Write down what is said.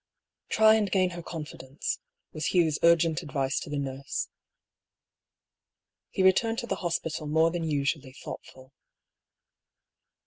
" Try and gain her confidence," was Hugh's urgent advice to the nurse. He returned to the hospital more than usually thoughtful.